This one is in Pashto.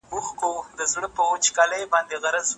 ده څو ځله تلاښ وکړ چي سپی ورک سي